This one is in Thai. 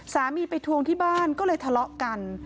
สามีไปทวงที่บ้านก็เลยทะเลาะกัน